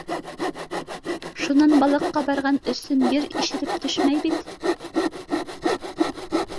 — Шунан балыҡҡа барған өсөн ер ишелеп төшмәй бит.